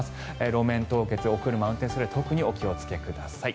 路面凍結、お車運転の際は特にお気をつけください。